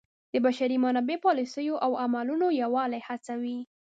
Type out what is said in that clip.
د بشري منابعو پالیسیو او عملونو یووالی هڅوي.